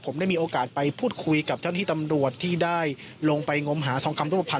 ผมได้มีโอกาสไปพูดคุยกับเจ้าหน้าที่ตำรวจที่ได้ลงไปงมหาทองคำรูปภั